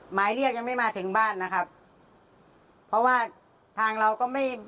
หมายเรียกยังไม่มาถึงบ้านนะครับเพราะว่าทางเราก็ไม่